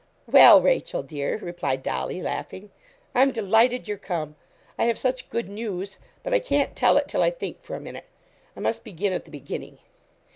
'Well, Rachel, dear,' replied Dolly, laughing, 'I'm delighted you're come; I have such good news but I can't tell it till I think for a minute I must begin at the beginning.'